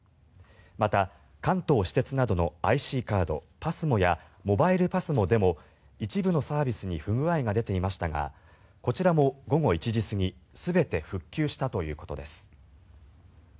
また、関東私鉄などのＩＣカードＰＡＳＭＯやモバイルＰＡＳＭＯでも一部のサービスに不具合が出ていましたがこちらも午後１時過ぎ全て復旧したということです。